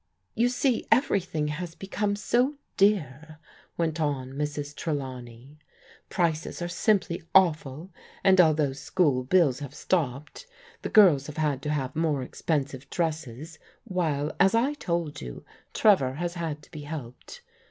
"You see everything has become so dear," went on Mrs. Trelawney. " Prices are simply awful, and al though school bills have stopped, the girls have had to have more expensive dresses, while, as I told you, Trevor has had to be helped.